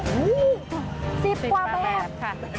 ๑๐ประแบบ